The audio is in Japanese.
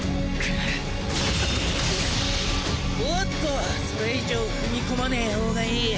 おっとそれ以上踏み込まねえほうがいい。